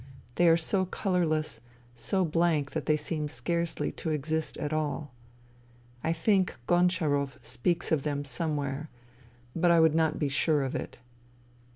They are so colourless, so blank that they seem scarcely to exist at all. I think Goncharov speaks of them somewhere, but I would not be sure of it.